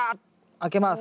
あけます。